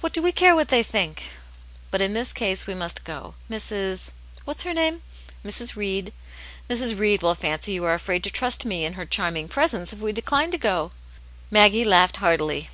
What do we care what they think?" But in this case we must go. Mrs. ——, what's her name ?"" Mrs. Read." " Mrs. Read will fancy you are afraid to trust me in her charming presence, if we decline to go." Maggie laughed heartily.